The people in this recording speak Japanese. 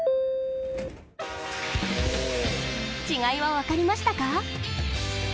違いは分かりましたか？